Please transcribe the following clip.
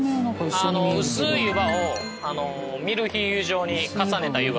薄い湯葉をミルフィーユ状に重ねた湯葉です。